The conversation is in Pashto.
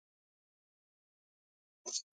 مېلمه ته د کورنۍ عکسونه ښودل ضرور نه دي.